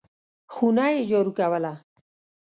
خونه یې جارو کوله !